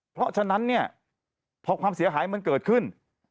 เพราะฉะนั้นเนี่ยพอความเสียหายมันเกิดขึ้น